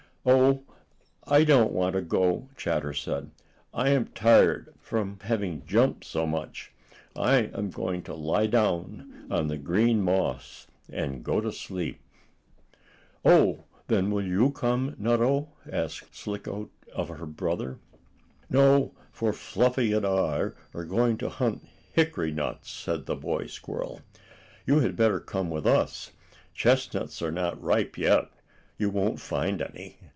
"Oh, I don't want to go," Chatter said. "I am tired from having jumped so much. I am going to lie down on the green moss, and go to sleep." "Oh, then will you come, Nutto?" asked Slicko, of her brother. "No, for Fluffy and I are going to hunt hickory nuts," said the boy squirrel. "You had better come with us. Chestnuts are not ripe yet. You won't find any.